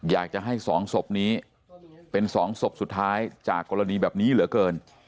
อยากจะให้๒ศพนี้เป็น๒ศพสุดท้ายจากกรณีแบบนี้เหลือเกิน